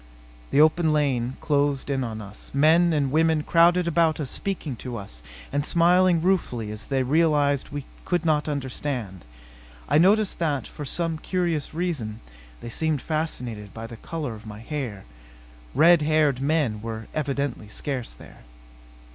The open lane closed in on us. Men and women crowded about us speaking to us and smiling ruefully as they realized we could not understand. I noticed that, for some curious reason, they seemed fascinated by the color of my hair. Red haired men were evidently scarce there.